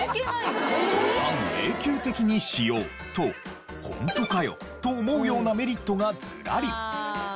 半永久的に使用とホントかよ？と思うようなメリットがずらり！